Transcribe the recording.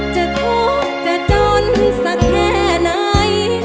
จะทุกข์จะจนสักแค่ไหน